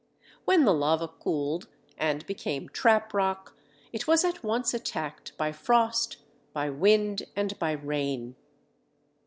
When the lava cooled and became trap rock, it was at once attacked by frost, by wind, and by rain.